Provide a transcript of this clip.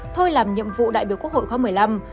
thôi làm nhiệm vụ đại biểu quốc hội khóa một mươi năm